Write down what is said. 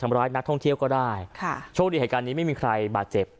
ทำร้ายนักท่องเที่ยวก็ได้ค่ะโชคดีเหตุการณ์นี้ไม่มีใครบาดเจ็บ